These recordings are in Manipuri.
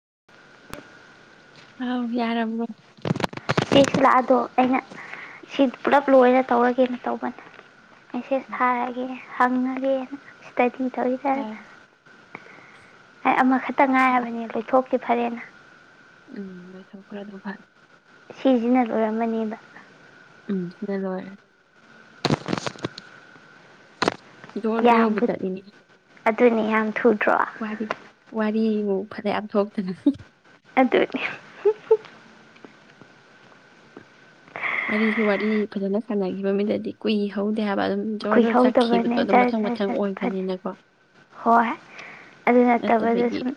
[unintelligible] ꯍꯥꯎ ꯌꯥꯔ ꯑꯃꯅꯣ ꯁꯤꯁꯤ ꯂꯥꯛꯑꯗꯣ ꯑꯩꯅ ꯁꯤ ꯄꯨꯂꯞ ꯂꯣꯏꯅ ꯇꯧꯔꯒꯦꯅ ꯇꯧꯕꯅꯦ ꯃꯦꯁꯦꯖ ꯎꯝ ꯊꯥꯔꯛꯑꯒꯦ ꯍꯪꯅ ꯏꯁꯗꯤ ꯇꯋꯗꯔ ꯐꯔꯦ ꯑꯃ ꯈ ꯇ ꯉꯥꯏꯔꯕꯅꯤ ꯂꯩꯏꯊꯣꯛ ꯗꯤꯐꯔꯦꯅꯥ ꯎꯝ ꯅꯣꯏ ꯊ ꯈꯔ ꯑꯗꯨ ꯐꯜ ꯁꯤꯁꯤꯅ ꯂꯣꯏꯔꯝꯃꯅꯦꯕ ꯎꯝ ꯁꯤꯅ ꯂꯣꯏꯔꯦ ꯖꯣ ꯖꯣꯔꯕꯨꯖꯥꯗꯅꯤ ꯑꯗꯨꯅꯤꯌꯥ ꯊꯨꯗ꯭ꯔ ꯗꯤꯃꯨꯛ ꯐꯅꯌꯥꯝ ꯊꯣꯛꯇꯅ [unintelligible] ꯋꯥꯔꯤꯒꯤ ꯋꯥꯔꯤ ꯐꯖꯅ ꯁꯥꯟꯅꯈꯤꯕ ꯃꯃꯤꯗꯗꯤ ꯀꯨꯏ ꯍꯧꯗꯦ ꯍꯥꯏ ꯈꯍꯧꯗꯕꯅꯦ ꯖꯔ ꯃꯊꯪ ꯖꯔꯠ ꯐꯅꯤ ꯑꯣꯏꯕꯅꯤꯅꯀꯣ ꯍꯣꯏ ꯑꯗꯨ ꯅꯠꯇꯕꯗ ꯅꯠꯇꯕꯒꯤ ꯁꯨꯝ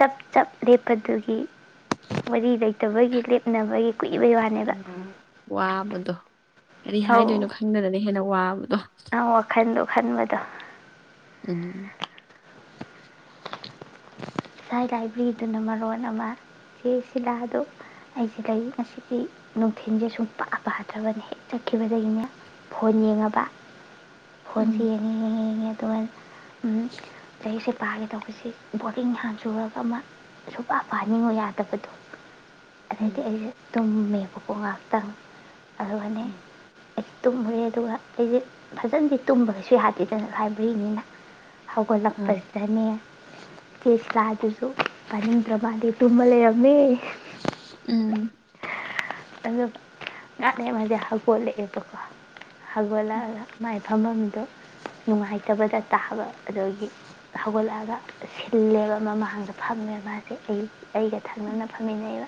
ꯆꯞ ꯆꯞ ꯂꯦꯞꯄꯗꯨꯒꯤ ꯃ ꯂꯩꯇꯕꯒꯤ ꯂꯦꯞꯅꯕꯒꯤ ꯀꯨꯏꯕꯩ ꯑ ꯋꯥꯅꯦꯕ ꯋꯥꯕꯗꯣ ꯀꯔꯤ ꯍꯥꯏꯗꯣꯏꯅꯣ ꯈꯪꯗꯅꯅ ꯍꯦꯟꯅ ꯋꯥ ꯑ ꯋꯥꯈꯟ ꯈꯟꯕꯗꯣ ꯎꯝ ꯉꯥꯏ ꯂꯥꯏꯕ꯭ꯔꯦꯔꯤꯗꯨꯅ ꯃꯔꯣꯟ ꯑꯃ ꯆꯦ ꯁꯤꯂꯥꯗ ꯑꯩꯁꯦ ꯂꯩ ꯉꯁꯤꯒꯤ ꯅꯨꯡꯊꯤꯟꯜꯁꯦ ꯁꯨꯝ ꯄꯥꯛꯑ ꯄꯥꯗ꯭ꯔꯕꯅꯦ ꯍꯦꯛ ꯆꯠꯈꯤꯕꯗꯒꯤꯅꯦ ꯐꯣꯟ ꯌꯦꯡꯉꯕ ꯐꯣꯟꯁꯤ ꯎꯝ ꯌꯦꯉ ꯌꯦꯉꯉ ꯑꯗꯨꯒ ꯂꯩꯔꯤꯁꯦ ꯄꯥꯒꯦ ꯇꯧꯕꯁꯤ ꯕꯣꯔꯗꯤꯡ ꯍꯥꯡ ꯆꯨꯔꯒ ꯑꯃ ꯁꯨꯄꯥ ꯄꯥꯅꯤꯡꯉꯨ ꯌꯥꯗꯕꯗꯣ ꯎꯝ ꯑꯗꯨꯗꯤ ꯑꯩꯦ ꯇꯨꯝꯃꯦꯕꯀꯣ ꯉꯍꯥꯛꯇꯪ ꯑꯗꯨ ꯃꯅꯤꯅꯦ ꯎꯝ ꯑꯩꯁ ꯇꯨꯝꯃꯨꯔꯦ ꯑꯗꯨꯒ ꯑꯩꯁꯦ ꯐꯖꯟꯗꯤ ꯇꯨꯝꯕ ꯀꯩꯁꯨ ꯌꯥꯗꯦꯗꯅ ꯍꯥꯏꯕꯔꯤꯅꯤꯅ ꯑꯥ ꯍꯧꯒꯠꯂꯛꯄꯁꯤꯗꯅꯦ ꯀꯂꯥ ꯑꯗꯨꯁꯨ ꯐꯅꯤꯡꯗ꯭ꯔ ꯃꯥꯂ ꯇꯨꯝꯕ ꯂꯩꯔꯝꯃꯦ ꯎꯝ ꯑꯗꯨꯝ ꯉꯥꯅꯦꯃ ꯍꯥꯒꯣꯠꯂꯛꯑꯦꯕꯀꯣ ꯍꯒꯣꯂꯥꯏ ꯐꯝꯐꯝꯗꯨꯣ ꯅꯨꯡꯉꯥꯏꯇꯕꯗ ꯇꯥꯕ ꯑꯗꯒꯤ ꯍꯧꯒꯠꯂꯛꯑꯒ ꯁꯤꯜꯂꯦꯕ ꯃꯃꯥꯡꯗ ꯐꯝꯉꯦ ꯃꯥꯁꯦ ꯑꯩ ꯑꯩꯒ ꯊꯝꯅꯅ ꯐꯝꯃꯤꯟꯅꯩꯕ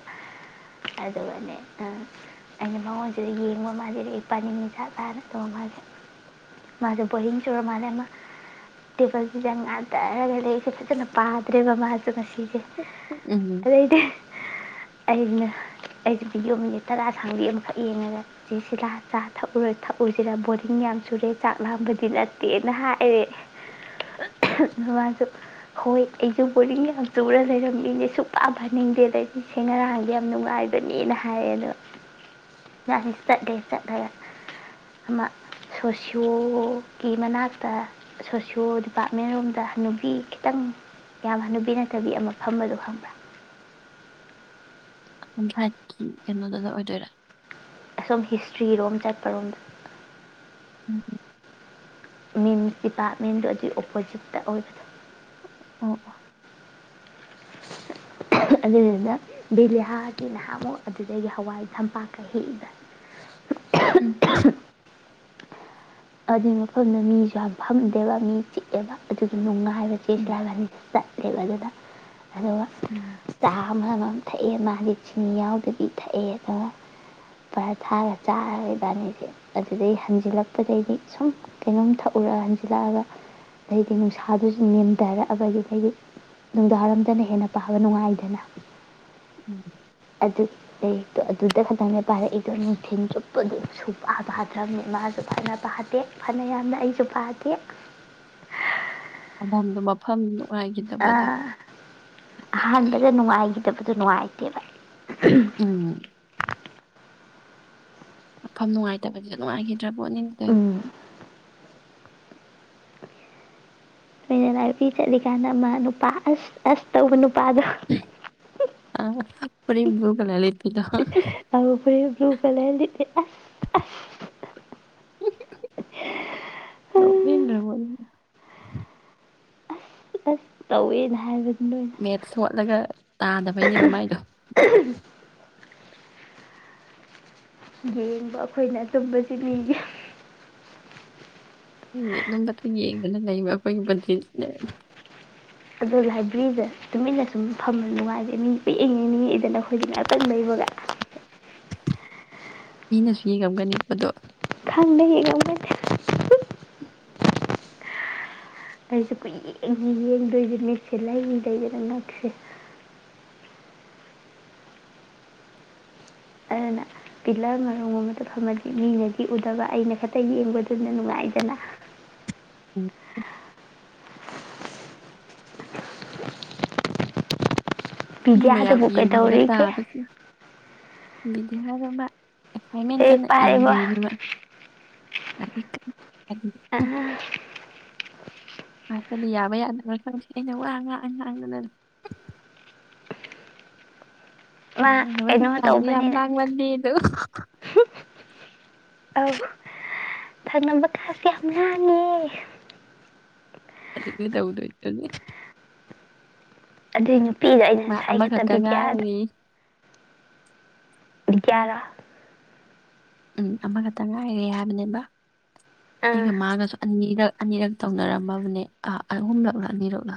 ꯑꯗꯨꯗꯒꯅꯤꯅꯦ ꯑꯩꯅ ꯃꯉꯣꯟꯁꯤꯗ ꯌꯦꯡꯕ ꯃꯥꯁꯦꯗ ꯏꯄꯥꯅꯤꯅꯤ ꯆꯥꯛ ꯇꯥꯔ ꯑꯗꯨꯒ ꯃꯥꯁꯦ ꯃꯥꯁꯦ ꯕꯣꯔꯤꯡ ꯆꯨꯔ ꯃꯥꯜꯂꯦ ꯃꯥ ꯇꯦꯕꯜꯁꯤꯗ ꯉꯥ ꯇꯛꯔꯒ ꯂꯩ ꯑꯩꯁꯦ ꯐꯖꯅ ꯄꯥꯗ꯭ꯔꯦꯕ ꯃꯥꯁꯦ ꯉꯁꯤꯁꯦ ꯎꯝ ꯑꯗꯩꯗꯤ ꯑꯩ ꯑꯩ ꯗꯤꯣ ꯃꯤꯅꯤꯠ ꯇꯔꯥ ꯁꯥꯡꯕꯤ ꯑꯃꯈꯛ ꯌꯦꯡꯉꯒ ꯁꯤ ꯁꯤꯂꯥ ꯆꯥ ꯊꯛꯎꯨꯔꯣꯏ ꯊꯛꯎꯨꯁꯤꯔꯥ ꯕꯣꯔꯗꯤꯡ ꯌꯥꯝ ꯆꯨꯔꯦ ꯆꯥꯛ ꯂꯥꯡꯕꯗꯤ ꯅꯠꯇꯦꯅ ꯍꯥꯏꯔꯦ ꯃꯃꯁꯨ ꯍꯣꯏ ꯑꯩꯁꯨ ꯕꯣꯔꯗꯤꯡ ꯌꯥꯝ ꯆꯨꯔ ꯂꯩꯔꯝꯃꯤꯅꯦ ꯁꯨꯡꯛꯄ ꯐꯟꯅꯤꯡꯗꯦꯗꯩꯗꯤ ꯁꯦ ꯉꯔꯥꯡꯗꯦ ꯌꯥꯝ ꯅꯨꯡꯉꯥꯏꯕꯅꯤꯅ ꯍꯥꯏꯔ ꯑꯗꯣ ꯉꯁꯤ ꯆꯠꯂꯦ ꯆꯠꯂꯒ ꯑꯃ ꯁꯣꯁꯤꯌꯣꯒꯤ ꯃꯅꯥꯛꯇ ꯁꯣꯁꯤꯌꯣ ꯗꯤꯄꯥꯔꯠꯃꯦꯟ ꯔꯣꯝꯗ ꯍꯅꯨꯕꯤ ꯈꯤꯇꯪ ꯌꯥꯝ ꯍꯅꯨꯕꯤ ꯅꯠꯇꯕꯤ ꯑꯃ ꯐꯝꯕꯗꯣ ꯈꯪꯕ꯭ꯔꯥ ꯑꯝ ꯍꯥꯏꯀꯤ ꯀꯩꯅꯣꯗꯨꯗ ꯑꯣꯏꯗꯣꯏꯔꯥ ꯑꯁꯣꯝ ꯍꯤꯁꯇ꯭ꯔꯤꯔꯣꯝ ꯆꯠꯄꯔꯣꯝꯗ ꯎꯝ ꯃꯤꯦꯟ ꯗꯤꯄꯥꯔꯠꯃꯦꯟꯗꯨ ꯑꯗꯨꯒꯤ ꯑꯣꯄꯣꯖꯤꯠꯇ ꯑꯣꯏꯕꯗ ꯑꯣ ꯑꯗꯨꯗꯨꯅ ꯕꯦꯂꯦꯍꯥꯒꯤ ꯅꯍꯥꯛꯃꯨꯛ ꯑꯗꯨꯗꯒꯤ ꯍꯋꯥꯏ ꯊꯝꯄꯥꯛꯀ ꯍꯦꯛꯏꯕ ꯎꯝ ꯎꯝ ꯑꯗꯨꯒꯤ ꯃꯐꯝꯗ ꯃꯤꯁꯨ ꯌꯥꯝ ꯐꯪꯗꯦꯕ ꯃꯤ ꯆꯤꯛꯑꯦꯕ ꯑꯗꯨꯒꯤ ꯅꯨꯡꯉꯥꯏ ꯐꯥꯏꯗ ꯎꯝ ꯆꯁꯦꯗꯅꯤ ꯆꯄꯦ ꯂꯩꯕꯗꯨꯗ ꯑꯗꯨꯒ ꯎꯝ ꯆꯇꯥꯃ ꯊꯛꯑꯦ ꯃꯥꯗꯤ ꯆꯤꯅꯤ ꯌꯥꯎꯗꯗꯤ ꯊꯛꯑꯦ ꯑꯗꯨꯒ ꯄꯚꯔꯥ ꯊꯥꯔꯒ ꯆꯥꯔꯒ ꯏꯕꯥꯅꯤꯁꯦ ꯑꯗꯨꯗꯩ ꯍꯟꯖꯤꯜꯂꯛꯄꯗꯩꯗꯤ ꯁꯨꯝ ꯀꯩꯅꯣꯝ ꯊꯛꯎꯔꯒ ꯍꯟꯖꯤꯜꯂꯛꯑꯒ ꯑꯗꯩꯗꯤ ꯅꯨꯡꯁꯥꯗꯨꯁꯨ ꯅꯦꯝꯊꯔꯛꯑꯕꯒꯤꯗꯩꯗꯤ ꯅꯨꯡꯗꯥꯡꯔꯝꯗꯅ ꯍꯦꯟꯅ ꯄꯥꯕ ꯅꯨꯡꯉꯥꯏꯗꯅ ꯎꯝ ꯑꯗꯨ ꯑꯗꯩꯛꯇꯣ ꯑꯗꯨꯗ ꯈꯛꯇꯪꯅꯦ ꯄꯥꯔꯛꯏꯗꯣ ꯅꯨꯡꯊꯤꯟꯜ ꯆꯨꯞꯄꯗꯨꯁꯨ ꯄꯥꯕ ꯍꯥꯠꯇ꯭ꯔꯕꯅꯦ ꯃꯥꯁꯨ ꯐꯅ ꯄꯥꯗꯦ ꯐꯅ ꯌꯥꯝꯅ ꯑꯩꯁꯨ ꯄꯥꯗꯦ ꯃꯐꯝꯗꯨꯣ ꯃꯐꯝꯗꯣ ꯑ ꯅꯨꯡꯉꯥꯏꯈꯤꯗꯕꯗꯣ ꯑꯗꯨꯒꯤ ꯑꯣꯏ ꯑꯍꯥꯟꯕꯗ ꯅꯨꯡꯉꯥꯏꯈꯤ ꯂꯩꯇꯕꯗꯨꯣ ꯅꯨꯡꯉꯥꯏꯇꯦꯕ ꯎꯝ ꯃꯐꯝ ꯅꯨꯡꯉꯥꯏꯇꯕꯅꯤꯗ ꯅꯨꯡꯉꯥꯏꯈꯤꯅꯤ ꯠꯇꯕꯣꯠꯅꯤꯡ ꯀꯩ ꯎꯝ ꯃꯣꯏꯅ ꯂꯥꯏꯄꯤ ꯆꯠꯂꯤꯀꯥꯟꯗ ꯑꯃ ꯅꯨꯄꯥ ꯑꯁ ꯑꯁ ꯇꯧꯕ ꯅꯨꯄꯥꯗꯣ ꯑ ꯑꯄꯗꯤ ꯏ ꯄꯨꯒꯂꯦꯝ ꯂꯩꯛꯇꯗꯣ ꯑꯃ ꯐꯨꯔꯤꯠ ꯕ꯭ꯂꯨ ꯀꯂꯔ ꯂꯤꯠꯂꯤ ꯑꯁ ꯑ ꯑꯁ ꯅꯃꯅꯤꯕꯅꯤ ꯑꯁ ꯑꯁ ꯇꯧꯋꯦꯅ ꯍꯥꯏꯕꯗꯨ ꯅꯣꯏꯅ ꯃꯦꯠꯁ ꯑꯣꯣꯠꯂꯒ ꯇꯥꯗꯕꯩꯅꯦꯕ ꯃꯥꯏꯗꯣ ꯌꯦꯡꯕ ꯑꯩꯈꯣꯏꯅ ꯇꯨꯝꯕꯁꯤꯅꯦꯒꯤ ꯎ ꯑꯗꯨꯝꯝꯕꯇ ꯌꯦꯡꯒꯅ ꯂꯩꯕ ꯑꯩꯈꯣꯏꯒꯤ ꯑꯣ ꯂꯥꯏꯕ꯭ꯔꯦꯔꯤꯗ ꯇꯨꯃꯤ ꯏꯟꯅ ꯁꯨꯝ ꯐꯃ ꯅꯨꯡꯉꯥꯏꯔꯦ ꯃꯤ ꯄꯏꯡꯉꯤ ꯅꯤꯡꯉꯛꯏꯗꯅ ꯑꯩꯈꯣꯏꯗꯤ ꯉꯥꯛꯇꯟ ꯂꯩꯕꯒ ꯃꯤꯅꯁꯨ ꯌꯦꯡꯉꯝꯒꯅꯤꯕꯗꯣ ꯈꯪꯗꯦ ꯌꯦꯡꯉꯝꯒꯅꯤ ꯑ ꯑꯩꯁꯨꯦ ꯀ ꯌꯦꯡꯉ ꯌꯦꯡꯗꯣꯏꯁꯦ ꯃꯤꯦꯛꯁꯦ ꯂꯩꯅꯤ ꯂꯩꯗꯅ ꯉꯛꯁꯦ ꯑꯗꯨꯅ ꯄꯤꯂꯔ ꯉꯣꯡ ꯑꯃꯇ ꯐꯝꯃꯗꯤ ꯃꯤꯅꯗꯤ ꯎꯗꯕ ꯑꯩꯅ ꯈꯛꯇꯪ ꯌꯦꯡꯕꯗꯨꯅ ꯅꯨꯡꯉꯥꯏꯗꯅ ꯃꯤ ꯃꯌꯥꯝ ꯕꯤꯗ꯭ꯌꯥꯗꯨꯕꯨ ꯌꯦꯡꯐꯝꯗ ꯀꯩꯗꯧꯔꯤꯒꯦ ꯇꯥꯕꯁꯦ ꯏꯗꯤ ꯍꯥꯏ ꯑꯗꯨꯕ ꯑꯦꯁꯥꯏꯃꯦꯟ ꯂꯥꯏꯔꯤꯛ ꯀꯟꯅ ꯄꯥꯔꯤꯕꯣ ꯏꯅꯦꯕ ꯑꯥ ꯑꯗꯅꯤ ꯌꯥꯕ ꯌꯥꯗꯅꯕ ꯈꯪꯗꯦ ꯑꯩꯅ ꯋꯥ ꯉꯍꯥꯛ ꯉꯍꯥꯡꯗꯅ ꯃꯥ ꯀꯩꯅꯣ ꯇꯧꯕꯅꯤꯅ ꯌꯥꯝꯉꯃꯗꯤ ꯑꯗꯨ ꯑ ꯊꯛꯅꯕ ꯀꯥꯁꯦ ꯌꯥꯝ ꯉꯅꯥꯥꯡꯅꯤꯌꯦ ꯇꯗ ꯆ ꯑꯗꯨꯗ ꯅꯨꯄꯤꯗꯣ ꯑꯩꯅ ꯃꯥ ꯉꯁꯥꯏ ꯑꯃꯈꯛꯇ ꯈꯛꯇꯕꯤꯗꯌꯥꯗ ꯉꯥꯏꯔꯤ ꯔꯥ ꯎꯝ ꯑꯃꯈꯛꯇ ꯉꯥꯏꯔꯦ ꯍꯥꯏꯕꯅꯦꯕ ꯑꯥ ꯑꯩꯒ ꯃꯥꯒꯁꯨꯒ ꯑꯅꯤꯔꯛ ꯇꯧꯅꯔꯝꯃꯕꯅꯦ ꯑ ꯑꯍꯨꯝꯂꯛꯂꯥ ꯑꯅꯤꯔꯛꯂꯥ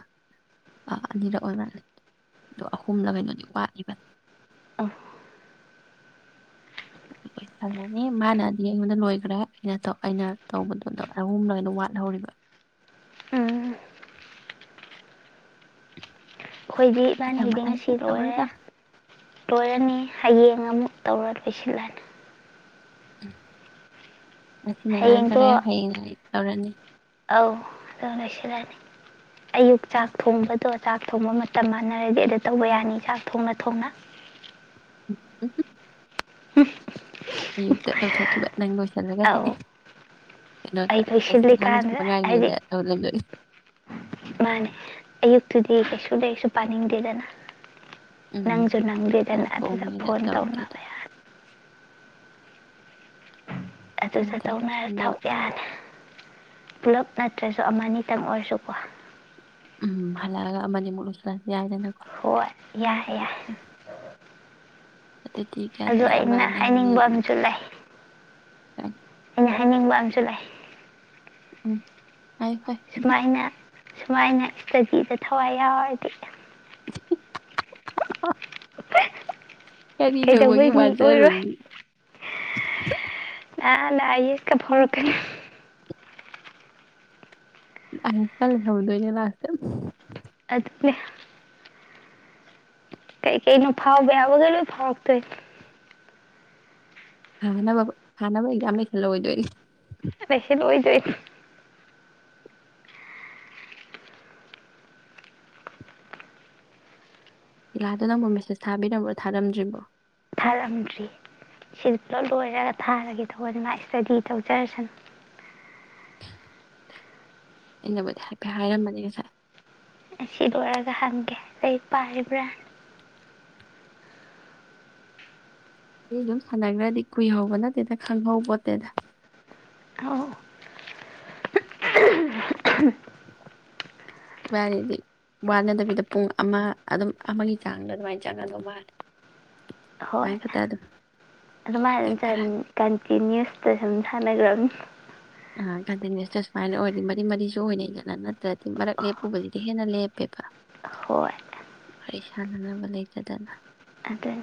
ꯑꯥ ꯑꯅꯤꯔꯛ ꯑꯣꯏ ꯃꯥꯜꯂ ꯑꯗꯣ ꯑꯍꯨꯝꯅ ꯀꯩꯅꯣꯗꯤ ꯋꯥꯠꯂꯤꯕꯅꯤ ꯑ ꯪꯅꯤ ꯃꯥꯅꯗꯤ ꯑꯩꯉꯣꯟꯗ ꯂꯣꯏꯈ꯭ꯔꯦ ꯑꯩꯅ ꯑꯩꯅ ꯇꯧꯕꯗꯨꯣꯗ ꯑꯍꯨꯝꯂꯩꯅ ꯋꯥꯠꯍꯧꯔꯤꯕ ꯎꯝ ꯑꯩꯈꯣꯏꯗꯤ ꯏꯕꯥꯅꯤ ꯃꯊꯪ ꯍꯗꯤ ꯉ ꯃꯊꯪ ꯑꯁꯤ ꯍꯦꯛꯇ ꯂꯣꯏꯔꯦ ꯇꯧꯔꯗ ꯂꯣꯏꯔꯅꯤ ꯍꯌꯦꯡ ꯑꯃꯨꯛ ꯇꯧꯔ ꯂꯣꯏꯁꯤꯜꯂꯅꯤ ꯎꯝ ꯁꯤꯅ ꯅ ꯇꯔ ꯍꯌꯦꯡꯗꯣ ꯍꯥꯏꯅ ꯇꯧꯔꯅꯤ ꯑꯧ ꯑꯗꯨꯣ ꯂꯣꯏꯁꯤꯜꯂꯅꯤ ꯑꯌꯨꯛ ꯆꯥꯛ ꯊꯣꯡꯕꯗꯣ ꯆꯥꯛ ꯊꯣꯡꯕ ꯃꯇꯝ ꯃꯥꯟꯅꯔꯗꯤ ꯑꯗꯨ ꯇꯧꯕ ꯌꯥꯅꯤ ꯆꯥꯛ ꯊꯣꯡꯅ ꯊꯣꯡꯅ ꯎꯝ ꯎꯝ ꯑꯌꯨꯛꯇ ꯂꯧꯊꯣꯛꯈꯤꯕ ꯅꯪ ꯂꯣꯏꯁꯤꯜꯂꯒꯗꯤ ꯑꯧ ꯑꯩ ꯀꯩꯅꯣꯗꯍꯥꯟ ꯂꯣꯏꯁꯤꯟ ꯂꯣꯏꯁꯤꯜꯂꯤꯀꯥꯟꯗ ꯍꯥꯏꯗꯤ ꯃꯉꯔꯤꯉꯩꯗ ꯂꯧꯍꯟꯗꯣꯏꯁꯦ ꯃꯥꯅꯦ ꯑꯌꯨꯛꯇꯨꯗꯤ ꯀꯩꯁꯨ ꯂꯩꯩꯁꯨ ꯄꯥꯅꯤꯡꯗꯦꯗꯅ ꯎꯝ ꯅꯪꯁꯨꯅꯪꯒꯗ ꯆꯥꯛ ꯇ ꯊꯣꯡꯉꯤꯉꯩꯗ ꯐꯣꯟ ꯇ ꯇꯧꯗꯦ ꯑꯗꯣ ꯃꯊꯪ ꯑꯗꯨꯗ ꯃꯊꯪ ꯇꯧꯅꯔ ꯂꯣꯏꯁꯟꯅꯕ ꯊꯕꯛ ꯌꯥꯅꯤ ꯄꯨꯂꯞ ꯅꯠꯇ꯭ꯔꯁꯨ ꯑꯃꯅꯤꯅꯤꯇꯪ ꯑꯣꯏꯔꯁꯨꯀꯣ ꯎꯝ ꯍꯜꯒ ꯃꯅꯦ ꯃꯁ ꯍꯣꯏ ꯌꯥꯏ ꯌꯥꯏ ꯑ ꯊꯀꯦ ꯑꯗꯨ ꯇꯔꯦ ꯑꯩꯅ ꯑꯅꯤꯅꯤ ꯍꯥꯏꯅꯤꯡꯕ ꯑꯃꯁꯨ ꯂꯩ ꯑꯩꯅ ꯍꯥꯏꯅꯤꯡꯕ ꯑꯝꯁꯨ ꯂꯩꯥꯛ ꯎꯝ ꯍꯥꯏ ꯐꯥꯏ ꯁꯨꯃꯥꯏꯅ ꯁꯨꯃꯥꯏꯅ ꯏꯁꯇꯗꯤꯗ ꯊꯋꯥꯏ ꯌꯥꯎꯔꯗꯤ ꯑ ꯀꯅꯤ ꯇꯧꯕꯒꯤ ꯀꯩꯗꯧꯕꯩ ꯃꯤ ꯑꯣꯏꯔꯣꯏ ꯖꯔꯔꯣꯗꯤ ꯑ ꯂꯏ ꯐꯔ ꯀꯦꯅꯦ ꯑ ꯆ ꯊꯧꯗꯅꯦ ꯂꯥꯛꯁ ꯑꯗꯨꯗꯅꯦ ꯇꯩ ꯀꯩꯩꯅꯣ ꯐꯥꯎꯕꯕꯒ ꯐꯋꯥꯛ ꯇꯦ ꯐꯅꯕ ꯐꯥꯅꯕ ꯑꯦꯛꯖꯥꯝ ꯂꯩꯈꯜꯂꯑꯣ ꯑꯣꯏꯗꯣꯏꯅꯤ ꯑ ꯁꯤꯗ ꯍ ꯂꯤꯂꯥꯗꯣ ꯅꯪꯕꯨ ꯃꯦꯁꯦꯁ ꯊꯥꯕꯤꯔꯔꯕ꯭ꯔꯣ ꯊꯥꯔꯝꯗ꯭ꯔꯤꯕꯣ ꯊꯥꯔꯛꯑꯝꯗ꯭ꯔꯤ ꯁꯤ ꯄꯨꯂ ꯂꯣꯏꯔꯒ ꯊꯥꯔꯒꯦ ꯇꯧꯕꯅꯤꯅ ꯏꯁꯇꯗꯤ ꯇꯧꯖꯔꯁꯅꯨ ꯑꯩꯅꯕꯨꯗꯤ ꯍꯥꯏꯐꯦꯠ ꯍꯥꯏꯔꯝꯕꯅꯦ ꯉꯁꯥꯏ ꯁꯤ ꯂ ꯋꯥꯔꯥꯒ ꯍꯥꯟꯒꯦ ꯂꯩ ꯄꯥꯏꯔꯕ꯭ꯔꯥ ꯑꯗꯨ ꯑꯗꯨꯝ ꯁꯥꯟꯅꯈ꯭ꯔꯗꯤ ꯀꯨꯏꯍꯧꯕ ꯅꯠꯇꯦꯗ ꯈꯪꯍꯧ ꯄꯣꯠꯇꯦꯗ [unintelligible] [unintelligible] ꯏꯕꯥꯅꯤꯗꯤ ꯋꯥꯅꯗꯕꯤꯗ ꯄꯨꯡ ꯑꯃ ꯑꯗꯨꯝ ꯑꯃꯒꯤ ꯆꯥꯡꯗ ꯑꯗꯨꯃꯥꯏꯅ ꯆꯪꯒꯗꯧ ꯃꯥꯂꯦ ꯀꯥꯏ ꯈ ꯇꯗ ꯑꯗꯨ ꯃ ꯆ ꯀ ꯀꯤ ꯅ꯭ꯌꯨꯁꯇ ꯁꯨꯝ ꯁꯥꯟꯅꯈ꯭ꯔꯕꯅꯤ ꯀꯟꯇꯤꯅ꯭ꯨꯁꯇ ꯁꯨꯃꯥꯏꯅ ꯑꯣꯏꯔꯗꯤ ꯃꯔꯤ ꯃꯔꯤꯁꯨ ꯑꯣꯏꯅ ꯏꯒꯠꯂ ꯅꯠꯇ꯭ꯔꯗꯤ ꯃꯔꯛ ꯂꯦꯞꯄꯨꯕꯗꯨꯗꯤ ꯍꯦꯟꯅ ꯂꯦꯞꯄꯦꯕ ꯍꯣꯏ ꯋꯥꯔꯤ ꯁꯥꯟꯅꯅꯕ ꯂꯩꯇꯗꯅ ꯑꯗꯨꯅꯤ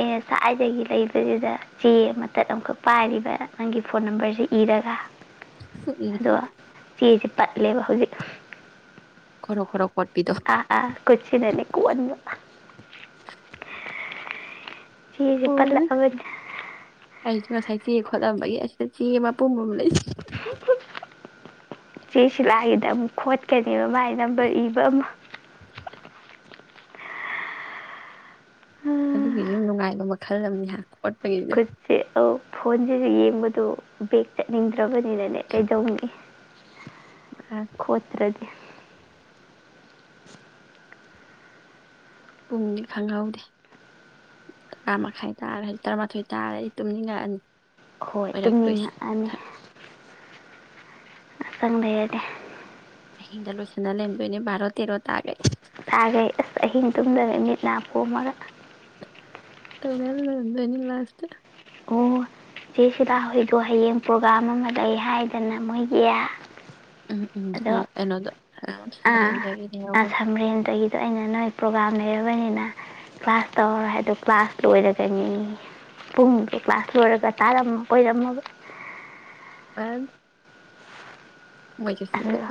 ꯑꯦ ꯉ ꯁꯥꯏꯗꯒꯤ ꯂꯩꯕꯁꯤꯗ ꯆꯦ ꯑꯃꯇꯠ ꯑꯃꯈꯛ ꯄꯥꯏꯔꯤꯕ ꯅꯪꯒꯤ ꯐꯣꯟ ꯅꯝꯕꯔꯁꯤ ꯏꯔꯒ ꯎꯝ ꯑꯗ ꯋꯥ ꯁꯤ ꯇꯥꯛ ꯏꯂꯦꯕ ꯍꯧꯖꯤꯛ ꯈꯔ ꯈꯔꯠ ꯑꯥ ꯑꯥ ꯀꯆꯤꯗꯅꯦ ꯀꯅꯤ ꯆꯤꯁꯦ ꯑꯣꯅ ꯄꯜꯂꯕꯅꯤ ꯑꯩꯁꯨ ꯉꯁꯥꯏ ꯆꯦ ꯈꯣꯠꯂꯝꯕꯒꯤ ꯑꯁꯤꯗ ꯆꯦ ꯃꯄꯨꯝꯕ ꯑꯃ ꯂꯩꯁꯦ ꯆꯦ ꯁꯤꯂꯥꯒꯤꯗ ꯑꯃꯨꯛ ꯈꯣꯠꯀꯅꯦꯕ ꯃꯥꯥꯏ ꯅꯝꯕꯔ ꯏꯕ ꯑꯃ ꯑꯗꯨꯒꯤꯁꯨ ꯅꯨꯡꯉꯥꯏꯕ ꯃꯈꯜ ꯑꯃꯅꯤꯅꯦ ꯍꯥꯟꯅ ꯀꯁꯤ ꯑ ꯐꯣꯟꯁꯤꯁꯨ ꯌꯦꯡꯕꯗꯣ ꯕꯦꯛ ꯆꯠꯅꯤꯡꯗ꯭ꯔꯒꯗꯤ ꯅꯅꯦ ꯀꯩꯗꯧꯅꯤ ꯈꯣꯠꯔꯥ ꯗꯤ [unintelligible] ꯄꯨꯡ ꯅꯦ ꯈꯪꯘꯨꯗꯦ꯫ ꯍꯣꯏ ꯇꯨꯃꯅꯤꯡꯒꯥ ꯅꯤ꯫ [inaudible] ꯑꯍꯤꯡ ꯗꯥ ꯂꯣꯏꯁꯤꯅꯂꯥ ꯂꯦꯏꯔꯃꯗꯣꯏꯅꯦ ꯕꯥꯔꯣ ꯇꯦꯔꯣ ꯇꯥꯒ꯭ꯔꯦ꯫ ꯊꯥꯈꯩ ꯑꯁ ꯑꯍꯤꯡ ꯇꯨꯝꯗꯕ ꯃꯤꯠ ꯅꯥꯄꯣꯝꯃꯒ ꯇꯧꯅꯜꯒꯗꯅꯤ ꯂꯥꯁ ꯑꯣ ꯆꯦ ꯁꯤꯗꯥ ꯍꯣꯏ ꯗꯨ ꯍ꯭ꯌꯥꯡ ꯄ꯭ꯔꯣꯒ꯭ꯔꯥꯝ ꯑꯥꯃꯥ ꯂꯦꯏ ꯍꯥꯏꯗꯥꯏꯅꯥ ꯃꯣꯏꯒꯤ꯫ ꯎꯝ ꯎꯝ ꯑꯅꯗ ꯑ ꯑꯁꯥꯝꯔꯤꯗꯩꯅ ꯅꯣꯏ ꯄ꯭ꯔꯣꯒꯥꯥꯝ ꯂꯩꯔꯕꯅꯤꯅ ꯀ꯭ꯂꯥꯁ ꯇꯧ ꯍꯥꯏꯗꯣ ꯀ꯭ꯂꯥꯁ ꯂꯣꯏꯔꯒꯅꯤ ꯄꯨꯡꯗꯣ ꯀ꯭ꯂꯥꯁ ꯂꯣꯏꯔꯒ ꯇꯥꯔ ꯀꯣꯏꯔꯝꯃꯕ ꯑꯣꯏꯔꯥꯟ꯫ ꯑꯗꯨꯗꯨ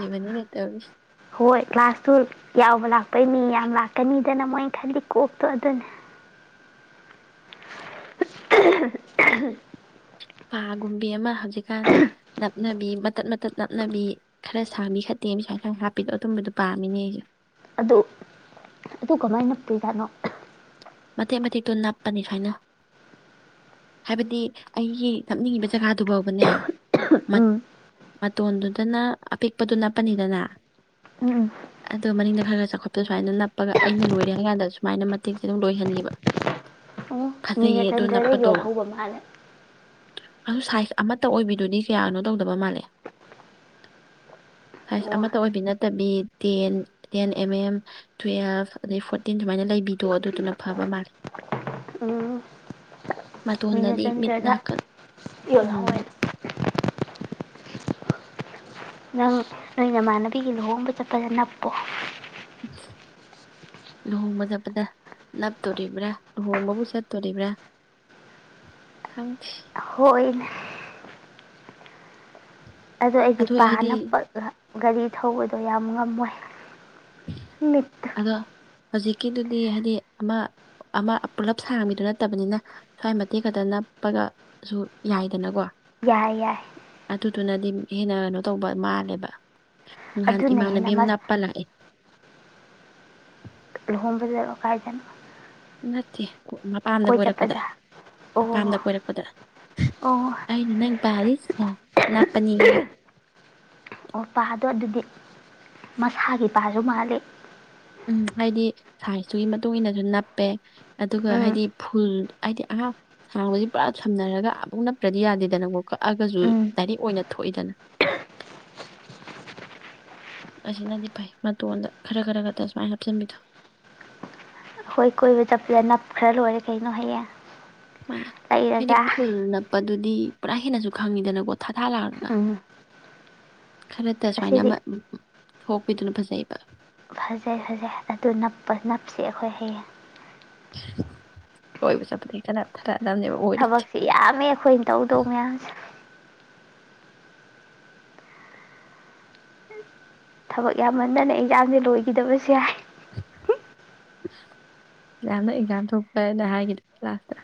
ꯍꯣꯏ ꯀ꯭ꯂꯥꯁ ꯗꯨ ꯌꯥꯎꯕꯥ ꯂꯥꯛꯄꯩ ꯃꯤ ꯌꯝ ꯂꯥꯛꯀꯅꯤꯗꯅ ꯃꯣꯏ ꯈꯜꯂꯤ ꯀꯣꯛ ꯗꯨ ꯑꯗꯨꯅꯦ [unintelligible] ꯄꯥꯒꯨꯝꯕꯤ ꯑꯃ ꯍꯧꯖꯤꯛꯀꯥꯟ ꯅꯞꯅꯕꯤ ꯃꯇꯠ ꯃꯇꯠ ꯅꯞꯅꯕꯤ ꯈꯔ ꯁꯥꯥꯡꯕꯤ ꯈꯔ ꯇꯦꯟꯕꯤ ꯁꯨꯃꯥꯏ ꯈꯔ ꯍꯥꯞꯄꯤꯗꯣ ꯑꯗꯨꯨꯝꯕꯗꯨꯣ ꯄꯥꯝꯃꯤꯅꯦ ꯑꯩꯁꯨ ꯑꯗꯨ ꯑꯗꯨ ꯀꯃꯥꯏꯅ ꯅꯞꯄꯤꯖꯥꯠꯅꯣ ꯃꯇꯦꯛ ꯃꯇꯦꯛꯇꯣ ꯅꯞꯄꯅꯤ ꯁꯨꯃꯥꯏꯅ ꯍꯥꯏꯕꯗꯤ ꯑꯩꯒꯤ ꯅꯞꯅꯤꯡꯉꯤꯕ ꯖꯒꯥꯗꯨꯐꯥꯎꯕꯅꯦ ꯎꯝ ꯃꯇꯣꯟꯗꯨꯗꯅ ꯑꯄꯤꯛꯄꯗꯣ ꯅꯞꯄꯅꯤꯗꯅ ꯎꯝ ꯎꯝ ꯑꯗꯨꯒ ꯃꯅꯤꯡꯗ ꯈꯔ ꯈꯔ ꯆꯥꯎꯈꯠꯄ ꯁꯨꯃꯥꯏꯅ ꯅꯞꯄꯒ ꯑꯩꯅ ꯂꯣꯏꯔꯦ ꯍꯥꯏ ꯀꯥꯟꯗ ꯁꯨꯃꯥꯏꯅ ꯃꯇꯦꯛꯁꯦ ꯑꯗꯨꯝ ꯂꯣꯏꯍꯟꯒꯤꯕꯥ ꯅꯤꯂꯥꯆꯟꯗ꯭ꯔ ꯗꯥ ꯌꯣꯜꯍꯧꯕꯥ ꯃꯥꯜꯂ‌ꯦ꯫ ꯑꯗꯨ ꯁꯥꯏꯖ ꯑꯃꯠꯇ ꯑꯣꯏꯕꯤꯗꯨꯗꯤ ꯀꯌꯥꯅꯣ ꯇꯧꯗꯕ ꯃꯥꯜꯂꯦ ꯁꯥꯏꯖ ꯑꯣ ꯑꯃꯠꯇ ꯑꯣꯏꯕꯤ ꯅꯠꯇꯕꯤ ten ten M M twelve ꯑꯗꯩ ꯐꯣꯔꯇꯤꯟ ꯁꯨꯃꯥꯏꯅ ꯂꯩꯕꯤꯗꯣ ꯑꯗꯨꯗꯨꯅ ꯐꯕꯥ ꯃꯥꯜꯂ‌ꯦ ꯅꯤꯂꯥꯆꯟꯗ꯭ꯔ ꯗꯤ ꯎꯝ ꯌꯣꯜꯍꯧꯋ‌ꯦ ꯅꯪ ꯅꯣꯏ ꯅꯃꯥꯟꯅꯕꯤꯒꯤ ꯂꯨꯍꯣꯡꯕꯥ ꯆꯠꯄꯥꯗꯥ ꯅꯞꯄꯣ꯫ ꯂꯨꯍꯣꯡꯕꯥ ꯆꯠꯄꯥꯗꯥ ꯅꯄꯇꯣꯔꯤꯕ꯭ꯔꯥ ꯂꯨꯍꯣꯡꯕꯥ ꯕꯨ ꯆꯠꯇꯣꯔꯤꯕ꯭ꯔꯥ ꯈꯪꯗꯦ꯫ ꯍꯣꯏꯅꯦ꯫ ꯑꯗꯨ ꯑꯩꯗꯤ ꯑꯗꯣ ꯄꯥ ꯍꯥꯏꯗꯤ ꯅꯞꯄꯥꯒꯥ꯫ ꯒꯥꯔꯤ ꯊꯧꯕꯗꯨ ꯌꯥꯝ ꯉꯝꯃꯣꯏ꯫ ꯃꯤꯠꯇꯥ ꯑꯗꯣ ꯍꯧꯖꯤꯛꯀꯤꯗꯨꯗꯤ ꯍꯥꯏꯗꯤ ꯑꯃ ꯑꯃ ꯄꯨꯂꯞ ꯁꯥꯡꯕꯤꯗꯨ ꯅꯠꯇꯕꯅꯤꯅ ꯁ꯭ꯋꯥꯏ ꯃꯇꯦꯛ ꯈꯛꯇ ꯅꯞꯄꯒꯁꯨ ꯌꯥꯏꯗꯅꯀꯣ ꯌꯥꯏ ꯌꯥꯏ꯫ ꯑꯗꯨꯗꯨꯅꯗꯤ ꯍꯦꯟꯅ ꯀꯩꯅꯣ ꯇꯧꯕ ꯃꯥꯜꯂꯦꯕ ꯅꯥꯍꯟ ꯑꯗꯨꯅ ꯏꯃꯥꯟꯅꯕꯤ ꯍꯦꯟꯅ ꯑꯃꯥ ꯃꯁ ꯅꯞꯄ ꯂꯛꯑꯦ ꯒꯨꯝꯕꯗꯔꯣ ꯀꯥꯏꯗꯅꯣ ꯅꯠꯇꯦ ꯃꯄꯥꯝꯗ ꯀꯣꯏ ꯀꯣꯏꯔꯛꯄꯗ ꯆꯠꯄꯗ ꯑꯣ ꯃꯄꯥꯝꯗ ꯀꯣꯏꯔꯛꯄꯗ ꯑꯣ ꯑꯩꯅ ꯅꯪ ꯄꯥꯔꯤ ꯅ ꯅꯥꯞꯄꯅꯤꯌꯦ ꯑꯣ ꯄꯥꯗꯣ ꯑꯗꯨꯗꯤ ꯃꯁꯥꯒꯤ ꯄꯥꯁꯨ ꯃꯥꯜꯂꯤ ꯎꯝ ꯍꯥꯏꯗꯤ ꯁꯥꯏꯖ ꯇꯨꯒꯤ ꯃꯇꯨꯡ ꯏꯟꯅꯖꯨ ꯅꯞꯄꯦ ꯑꯗꯨꯒ ꯎꯝ ꯍꯥꯏꯗꯤ ꯐꯨꯜ ꯍꯥꯏꯗꯤ ꯑꯍꯥ ꯁꯥꯡꯕꯁꯤ ꯄꯨꯔꯥ ꯁꯝꯅꯔꯒ ꯑꯃꯨꯛ ꯅꯞꯇ꯭ꯔꯗꯤ ꯌꯥꯗꯦꯗꯅꯀꯣ ꯀꯛꯑꯒꯁꯨ ꯎꯝ ꯗꯥꯏꯔꯦꯛ ꯑꯣꯏꯅ ꯊꯣꯛꯏꯗꯅ ꯑꯁꯤꯅꯗꯤ ꯐꯩ ꯃꯇꯣꯟꯗ ꯈꯔ ꯈꯔ ꯈꯛꯇ ꯁꯨꯃꯥꯏꯅ ꯍꯥꯞꯆꯤꯟꯕꯤꯗꯣ ꯑꯩꯈꯣꯏ ꯀꯣꯏꯕ ꯆꯠꯄꯗ ꯅꯞ ꯈꯔ ꯂꯣꯏꯔꯦ ꯀꯩꯅꯣ ꯍꯩꯌꯦꯡ ꯍꯥꯏꯗꯤ ꯐꯨꯜꯅꯞ ꯄꯗꯨꯗꯤ ꯄꯨꯔꯥ ꯍꯦꯟꯅꯁꯨ ꯈꯪꯉꯤꯗꯅꯀꯣ ꯊꯥꯊꯥ ꯂꯥꯎꯔꯒ ꯎꯝ ꯈꯔꯇ ꯁꯨꯃꯥꯏꯅ ꯑꯁꯤꯗꯤ ꯑꯃ ꯊꯣꯛꯄꯤꯗꯨꯅ ꯐꯖꯩꯕ ꯐꯖꯩ ꯐꯖꯩ ꯑꯗꯨ ꯅꯞꯄ ꯅꯞꯁꯤ ꯑꯩꯈꯣꯏ ꯍꯥꯌꯦꯡ ꯀꯣꯏꯕ ꯆꯠꯄꯗ ꯍꯦꯛ ꯇ ꯅꯞꯊ ꯊꯕꯛꯁꯤ ꯌꯥꯝꯃꯦ ꯑꯩꯈꯣꯏꯅ ꯇꯧꯗꯧ ꯃꯌꯥꯝꯁꯦ ꯊꯕꯛ ꯌꯥꯝꯃꯟꯗꯅ ꯑꯦꯛꯖꯥꯝꯁꯦ ꯂꯣꯏꯒꯤꯗꯕꯁꯨ ꯌꯥꯏ ꯖꯥꯝꯅ ꯑꯦꯛꯖꯥꯝ ꯊꯣꯛꯄꯅ ꯍꯥꯏꯒꯤꯗꯣꯏ ꯅꯦ ꯂꯥꯁꯇ